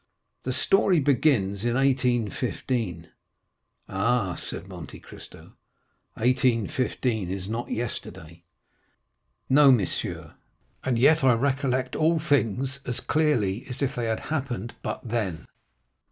"The story begins in 1815." "Ah," said Monte Cristo, "1815 is not yesterday." "No, monsieur, and yet I recollect all things as clearly as if they had happened but then.